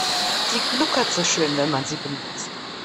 Sie gluckert so schön, wenn man sie benutzt.